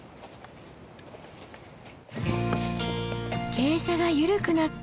傾斜が緩くなった。